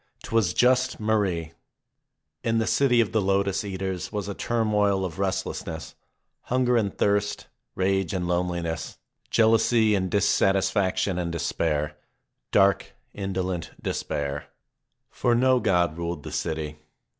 'Twas just Marie ! In the city of the Lotus eaters was a turmoil of rest lessness, hunger and thirst, rage and loneliness, jealousy 24 MARIE and dissatisfaction and despair, dark, indolent despair. For no God ruled the city.